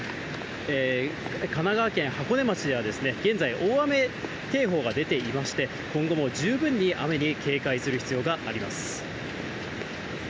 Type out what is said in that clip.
神奈川県箱根町では現在、大雨警報が出ていまして、今後も十分に雨に警戒する必要があります。